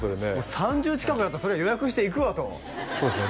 ３０近くなったら予約して行くわとそうですね